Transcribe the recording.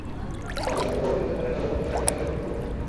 আমাদের মতো বড় বিজনেসম্যানের নজর সবসময় আগামীকালের উপর থাকে।